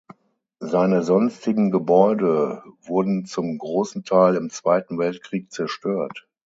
Seine sonstigen Gebäude wurden zum großen Teil im Zweiten Weltkrieg zerstört.